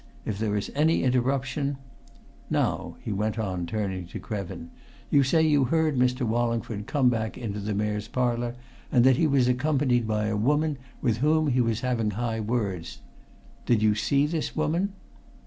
If there is any interruption Now," he went on, turning to Krevin, "you say you heard Mr. Wallingford come into the Mayor's Parlour and that he was accompanied by a woman, with whom he was having high words. Did you see this woman?"